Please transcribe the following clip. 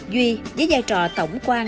duy với giai trò tổng quan